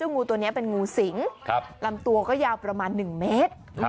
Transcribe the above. งูตัวนี้เป็นงูสิงลำตัวก็ยาวประมาณ๑เมตร